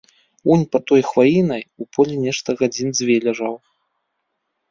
Унь пад той хваінай у полі нешта гадзін дзве ляжаў.